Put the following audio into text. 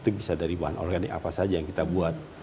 itu bisa dari bahan organik apa saja yang kita buat